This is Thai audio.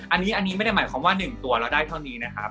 อันนี้ไม่ได้หมายความว่า๑ตัวเราได้เท่านี้นะครับ